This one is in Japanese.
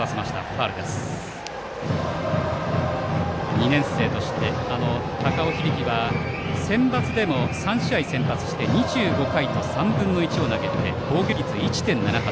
２年生の高尾響はセンバツでも３試合に先発して２５回と３分の１を投げて防御率１．７８。